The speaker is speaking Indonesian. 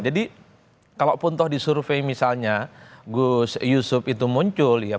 jadi kalaupun toh disurvei misalnya gus yusuf itu muncul ya